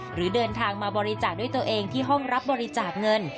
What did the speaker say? หรือเดินทางมาบริจาคด้วยตัวเองที่ห้องรับบริจาคเงิน